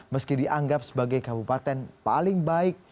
meski dianggap sebagai kabupaten paling baik